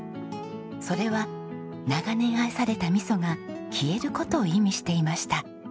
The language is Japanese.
それは長年愛された味噌が消える事を意味していました。